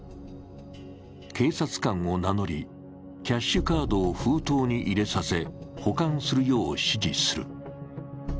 警察官を名乗り、キャッシュカードを封筒に入れさせ、保管するよう指示する。